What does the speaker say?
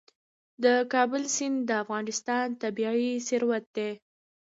د کابل سیند د افغانستان طبعي ثروت دی.